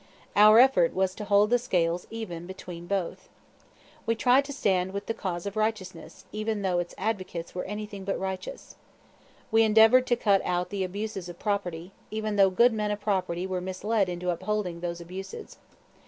Our effort was to hold the scales even between both. We tried to stand with the cause of righteousness even though its advocates were anything but righteous. We endeavored to cut out the abuses of property, even though good men of property were misled into upholding those abuses.